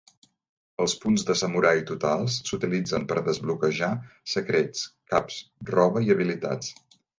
Els punts de samurai totals s’utilitzen per desbloquejar secrets, caps, roba i habilitats.